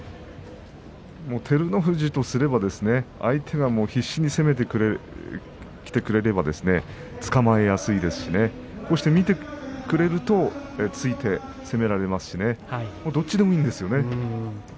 照ノ富士とすれば相手が必死に攻めてくるそうしてくれればつかまえやすいですし見てくれると突いて攻めることができますしどちらでもいいんですね。